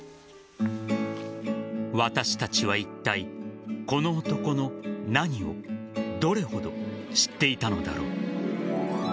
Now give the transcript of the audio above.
私たちはいったいこの男の何をどれほど知っていたのだろう。